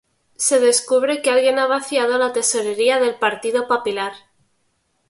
Se descubre que alguien ha vaciado la Tesorería del "Partido Papilar".